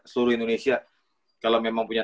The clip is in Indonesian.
seluruh indonesia kalau memang punya